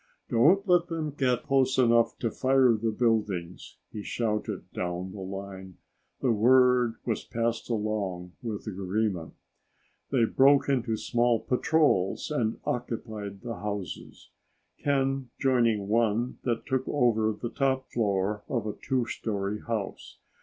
"Don't let them get close enough to fire the buildings!" he shouted down the line. The word was passed along with agreement. They broke into small patrols and occupied the houses, Ken joining one that took over the top floor of a 2 story house.